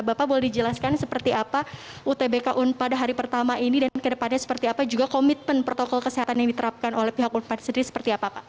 bapak boleh dijelaskan seperti apa utbk un pada hari pertama ini dan kedepannya seperti apa juga komitmen protokol kesehatan yang diterapkan oleh pihak unpad sendiri seperti apa pak